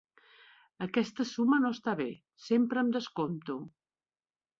Aquesta suma no està bé: sempre em descompto.